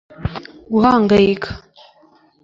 guhangayika